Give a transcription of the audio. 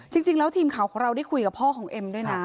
จริงแล้วทีมข่าวของเราได้คุยกับพ่อของเอ็มด้วยนะ